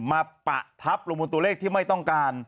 ปะทับลงบนตัวเลขที่ไม่ต้องการ